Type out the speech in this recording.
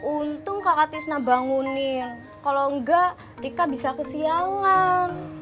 untung kakak tisna bangunin kalau enggak rika bisa kesiangan